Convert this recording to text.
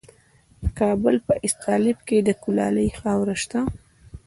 د کابل په استالف کې د کلالي خاوره شته.